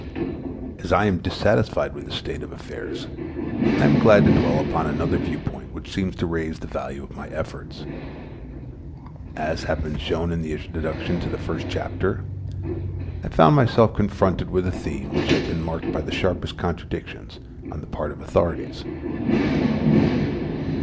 As I am dissatisfied with this state of affairs, I am glad to dwell upon another view point which seems to raise the value of my efforts. As has been shown in the introduction to the first chapter, I found myself confronted with a theme which had been marked by the sharpest contradictions on the part of the authorities.